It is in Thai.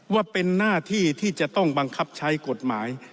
ว่าเป็นหน้าที่ที่จะต้องบังคับใช้กฎหมาย